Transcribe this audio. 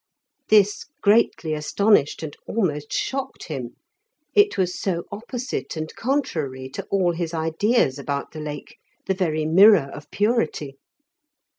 This greatly astonished and almost shocked him; it was so opposite and contrary to all his ideas about the Lake, the very mirror of purity.